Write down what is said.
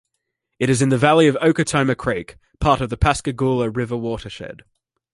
It is in the valley of Okatoma Creek, part of the Pascagoula River watershed.